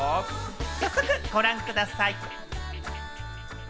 早速ご覧ください。